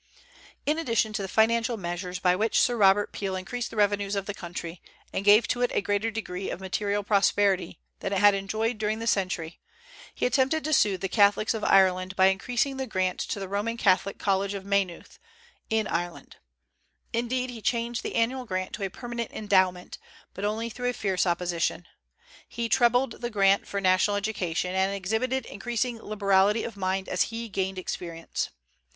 In addition to the financial measures by which Sir Robert Peel increased the revenues of the country, and gave to it a greater degree of material prosperity than it had enjoyed during the century, he attempted to soothe the Catholics of Ireland by increasing the grant to the Roman Catholic College of Maynooth, in Ireland; indeed, he changed the annual grant to a permanent endowment, but only through a fierce opposition. He trebled the grant for national education, and exhibited increasing liberality of mind as he gained experience.